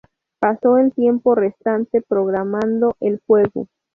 Pasó el tiempo restante programando el juego.